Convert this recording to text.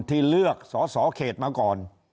ที่เลือกสอสอเขตมาก่อน